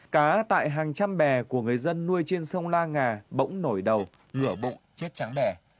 cá tại hàng trăm bè của người dân nuôi trên sông la nga bỗng nổi đầu lửa bụng chết trắng bè